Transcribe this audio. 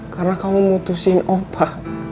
karena kamu memutuskan opa